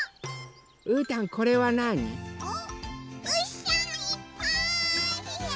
うーたんこれはなに？